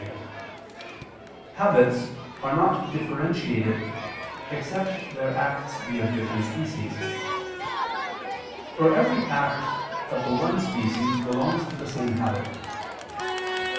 3) habits are not differentiated except their acts be of different species. For every act of the one species belongs to the same habit.